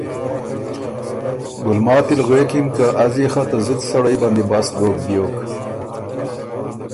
ګلماتی ل غوېکِن که ”ازيې خه ته زُت سړئ بندی بست دوک بیوک“۔